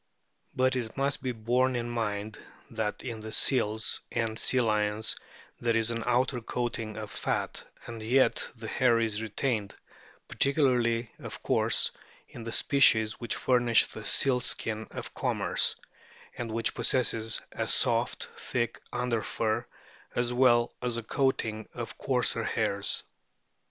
But it must be borne in mind that in the Seals and Sea lions there is an outer coating of fat, and yet the hair is retained, particularly, of course, in the species which furnish the sealskin of commerce, and which possess a soft, thick uncler fur as well as a coating of coarser hairs.